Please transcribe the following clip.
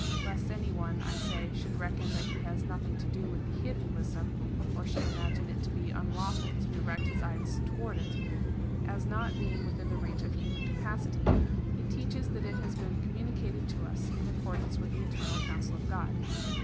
Lest any one, I say, should reckon that he has nothing to do with the hidden wisdom, or should imagine it to be unlawful to direct his eyes towards it, as not being within the reach of human capacity, he teaches that it has been communicated to us in accordance with the eternal counsel of Grod.